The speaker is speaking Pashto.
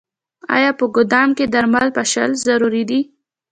آیا په ګدام کې درمل پاشل ضروري دي؟